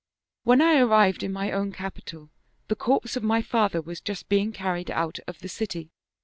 " When I arrived in my own capital the corpse of my father was just being carried out of the city.